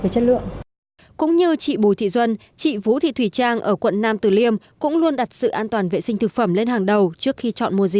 cũng như chị bùi thị duân chị vũ thị thùy trang ở quận nam tử liêm cũng luôn đặt sự an toàn vệ sinh thực phẩm lên hàng đầu trước khi chọn mua gì